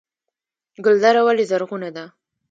ګلدره ولې زرغونه ده؟